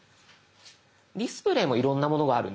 「ディスプレイ」もいろんなものがあるんです。